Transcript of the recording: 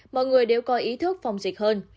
mọi người đều có ý thức phòng dịch hơn